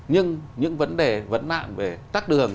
nhưng những vấn đề vấn nạn về tắc đường